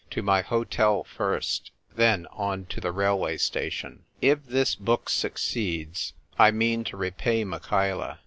To my hotel first, then on to the railway station !" If this book succeeds I mean to repay Michaela.